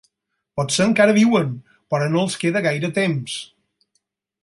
Potser encara viuen, però no els queda gaire temps.